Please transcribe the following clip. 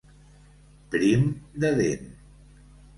Prim de dent.